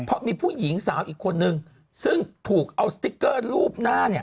เพราะมีผู้หญิงสาวอีกคนนึงซึ่งถูกเอาสติ๊กเกอร์รูปหน้าเนี่ย